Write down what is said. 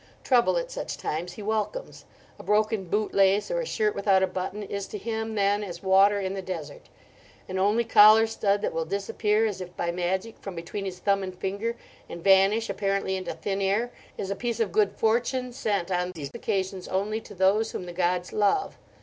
Trouble at such times he welcomes. A broken boot lace, or a shirt without a button, is to him then as water in the desert. An only collar stud that will disappear as if by magic from between his thumb and finger and vanish apparently into thin air is a piece of good fortune sent on these occasions only to those whom the gods love.